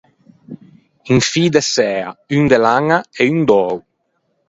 Un fî de sæa, un de laña e un d’öo.